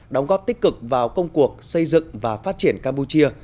đóng góp tích cực vào công cuộc xây dựng và phát triển campuchia